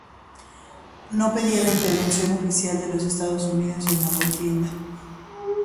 No pedían la intervención oficial de los Estados Unidos en la contienda.